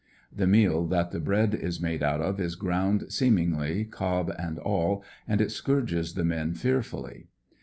The meal that the bread is made out of is ground, seemingly, cob and all, and it scourges the men fearfully.